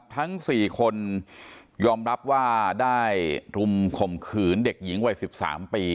ทั้ง๔คนยอมรับว่าได้รุมข่มขืนเด็กหญิงวัย๑๓ปี